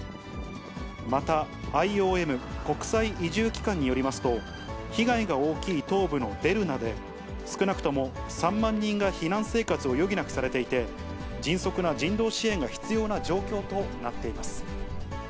またＩＯＭ・国際移住機関によりますと、被害が大きい東部のデルナで、少なくとも３万人が避難生活を余儀なくされていて、迅速な人道支援が必要な状況となっています。